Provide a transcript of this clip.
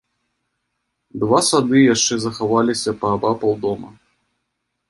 Два сады яшчэ захаваліся паабапал дома.